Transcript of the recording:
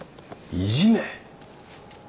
いじめ？